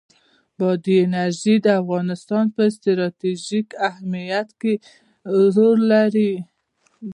بادي انرژي د افغانستان په ستراتیژیک اهمیت کې رول لري.